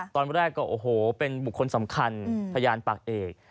ตอนแรกเป็นบุคคลสำคัญทะยานปากเอก